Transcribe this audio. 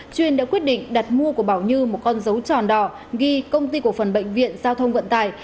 chuyên đã quyết định đặt mua của bảo như một con dấu tròn đỏ ghi công ty của phần bệnh viện giao thông vận tài